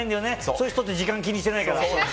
そういう人って時間気にしてないから。